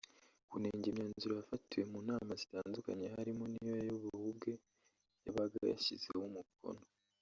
kunenga imyanzuro yafatiwe mu nama zitandukanye harimo n’iyo we ubwe yabaga yashyizeho umukono